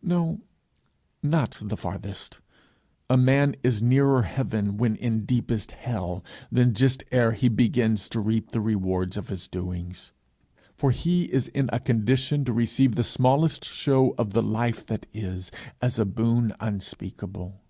no, not the farthest! a man is nearer heaven when in deepest hell than just ere he begins to reap the reward of his doings for he is in a condition to receive the smallest show of the life that is, as a boon unspeakable.